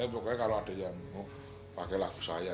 pokoknya kalau ada yang mau pakai lagu saya